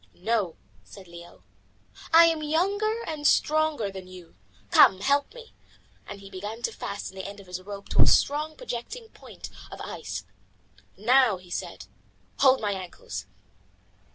"No," said Leo, "I am younger and stronger than you. Come, help me," and he began to fasten the end of his rope to a strong, projecting point of ice. "Now," he said, "hold my ankles."